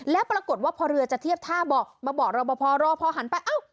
แล้วปรากฏว่าพอเรือจะเทียบท่าบอกมาบอกรอบพอรอพอหันไปเอ้า